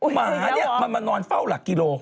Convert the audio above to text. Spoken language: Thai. หมาเนี่ยมันมานอนเฝ้าหลักกิโล